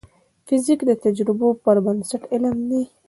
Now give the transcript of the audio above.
فزیک د تجربو پر بنسټ علم دی.